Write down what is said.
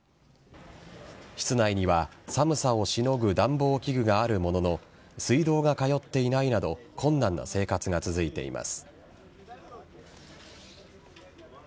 室内には、寒さをしのぐ暖房器具があるものの水道が通っていないなど困難な生活が続いています。